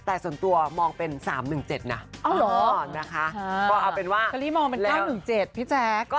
แต่ส่วนตัวมองเป็น๓๑๗น่ะพี่แจ๊ก